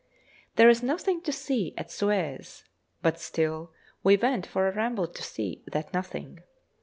There is nothing to see at Suez, but still we went for a ramble to see that nothing.